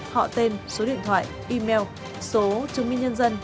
họ tên số điện thoại email số chứng minh nhân dân